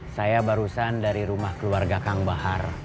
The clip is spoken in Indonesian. saya barusan dari rumah keluarga kang bahar